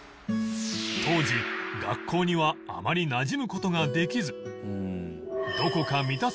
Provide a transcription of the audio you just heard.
当時学校にはあまりなじむ事ができずどこか何？